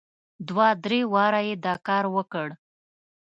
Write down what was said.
دوه درې واره یې دا کار وکړ.